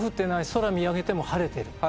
空見上げても晴れてる。